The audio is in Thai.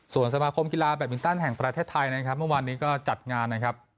ส่วนสมาคมกีฬาแบตมินตันแห่งประเทศไทยนะครับเมื่อวานนี้ก็จัดงานนะครับ